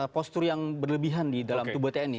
postur yang berlebihan di dalam tubuh tni